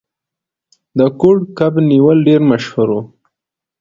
د کوډ کب نیول ډیر مشهور و.